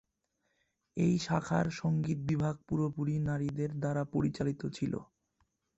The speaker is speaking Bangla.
এই শাখার সঙ্গীত বিভাগ পুরোপুরি নারীদের দ্বারা পরিচালিত ছিল।